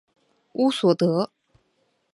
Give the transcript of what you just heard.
乌索德。